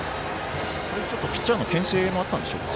ちょっとピッチャーのけん制もあったんでしょうか。